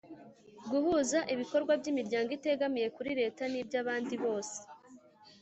guhuza ibikorwa by'imiryango itegamiye kuri leta n'iby'abandi bose